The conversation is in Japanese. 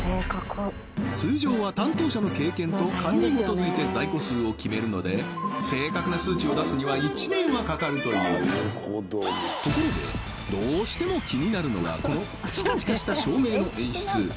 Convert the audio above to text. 通常は担当者の経験と勘に基づいて在庫数を決めるので正確な数値を出すには１年はかかるというところでどうしても気になるのがこのチカチカした照明の演出